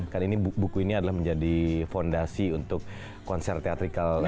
karena ini buku ini adalah menjadi fondasi untuk konser teatrical